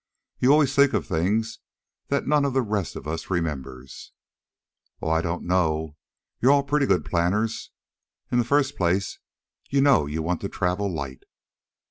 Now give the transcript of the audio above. "You always think of things that none of the rest of us remembers." "Oh, I don't know. You're all pretty good planners. In the first place, you know you want to travel light."